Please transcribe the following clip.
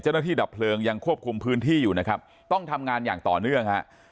ดับเพลิงยังควบคุมพื้นที่อยู่นะครับต้องทำงานอย่างต่อเนื่องฮะ